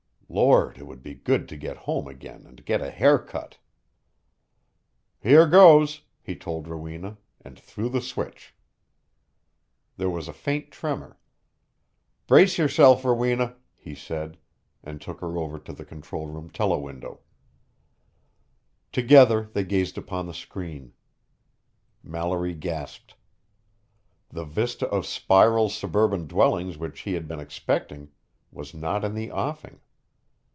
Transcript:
Lord, it would be good to get home again and get a haircut! "Here goes," he told Rowena, and threw the switch. There was a faint tremor. "Brace yourself, Rowena," he said, and took her over to the control room telewindow. Together, they gazed upon the screen. Mallory gasped. The vista of spiral suburban dwellings which he had been expecting was not in the offing.